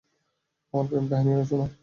আমার প্রেমকাহিনীটা শোন।